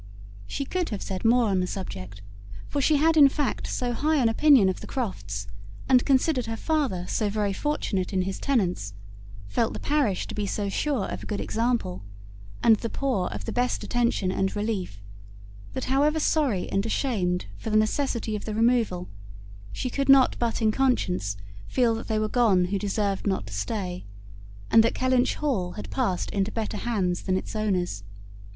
She could have said more on the subject; for she had in fact so high an opinion of the Crofts, and considered her father so very fortunate in his tenants, felt the parish to be so sure of a good example, and the poor of the best attention and relief, that however sorry and ashamed for the necessity of the removal, she could not but in conscience feel that they were gone who deserved not to stay, and that Kellynch Hall had passed into better hands than its owners'.